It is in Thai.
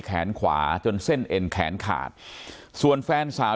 แขนขวาจนเส้นเอ็นแขนขาดส่วนแฟนสาว